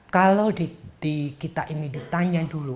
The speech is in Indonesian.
kalau kita ini ditanya dulu